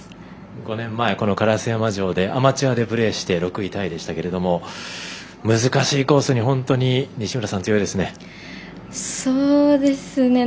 ５年前、烏山城でアマチュアでプレーして６位タイでしたけれども難しいコースに本当に西村さん強いですね。